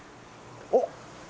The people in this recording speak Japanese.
おっ！